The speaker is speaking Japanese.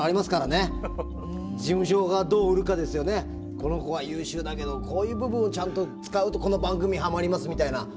この子は優秀だけどこういう部分をちゃんと使うとこの番組ハマりますみたいな。